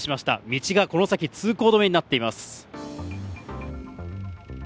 道がこの先、通行止めになっています。